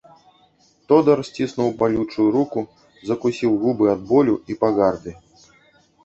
Тодар сціснуў балючую руку, закусіў губы ад болю і пагарды.